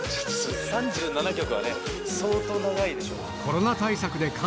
３７ 曲は相当長いでしょ。